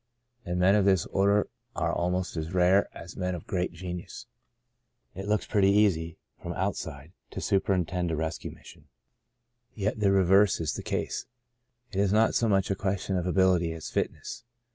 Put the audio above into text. And men of this order are almost as rare as men of great genius. It 94 Saved to Serve looks pretty easy, from outside, to superin tend a rescue mission. Yet the very reverse is the case. It is not so much a question of ability as fitness.